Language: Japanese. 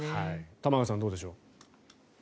玉川さん、どうでしょう。